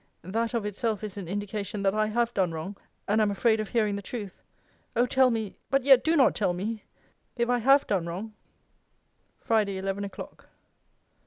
That, of itself, is an indication that I have done wrong, and am afraid of hearing the truth O tell me (but yet do not tell me) if I have done wrong! FRIDAY, ELEVEN O'CLOCK.